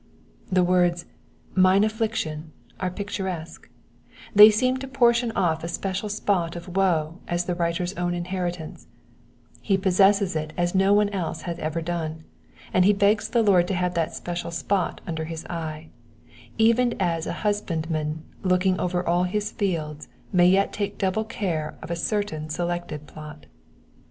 The words, "mine affliction," are picturesque; they seem to portion off a special spot of woe as the writer^s own inheritance : he possesses it as no one else had ever done, and he begs the Lord to have that special spot under his eye : even as a husbandman looking over all his fields may yet take double care of a certain selected plot.